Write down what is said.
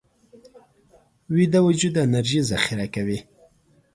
ویده وجود انرژي ذخیره کوي